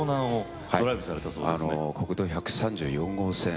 国道１３４号線。